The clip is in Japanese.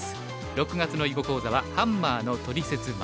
６月の囲碁講座は「ハンマーのトリセツ③」。